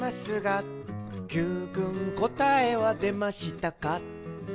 「Ｑくんこたえはでましたか？」